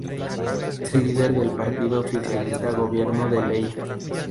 Es el líder del partido oficialista Gobierno de Ley.